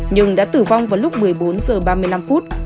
nhưng đã tử vong vào lúc một mươi bốn h ba mươi năm phút